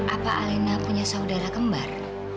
apa alena punya saudara kembar